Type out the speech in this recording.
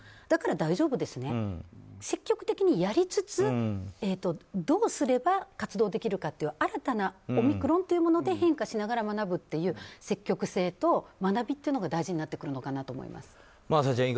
だから大丈夫ですねと積極的にやりつつどうすれば活動できるかという新たなオミクロンというもので変化しながら学ぶという積極性と学びというのが大事になってくるのかなと思います。